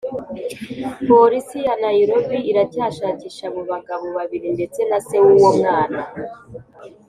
polisi ya nairobi iracyashakisha abo bagabo babiri ndetse na se w’uwo mwana